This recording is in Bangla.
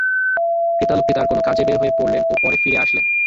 ক্রেতা লোকটি তার কোন কাজে বের হয়ে পড়লেন ও পরে ফিরে আসলেন।